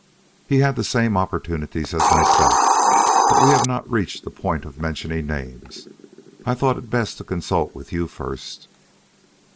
"He had the same opportunities as myself, but we have not reached the point of mentioning names. I thought it best to consult with you first."